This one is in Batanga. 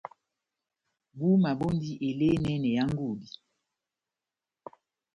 Búma bondi elé enɛnɛ na ngudi.